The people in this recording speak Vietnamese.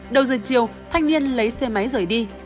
đầu giờ chiều thanh niên lấy xe máy rời đi